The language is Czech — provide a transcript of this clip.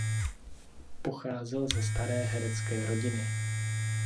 Pocházel ze staré herecké rodiny.